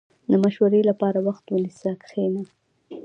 • د مشورې لپاره وخت ونیسه، کښېنه.